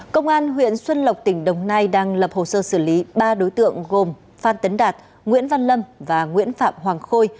công an huyện xuân lộc tỉnh đồng nai đang lập hồ sơ xử lý ba đối tượng gồm phan tấn đạt nguyễn văn lâm và nguyễn phạm hoàng khôi